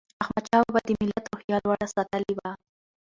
احمدشاه بابا د ملت روحیه لوړه ساتلې وه.